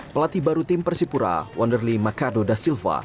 pelatih baru tim persipura wanderly machado da silva